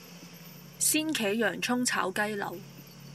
鮮茄洋蔥炒雞柳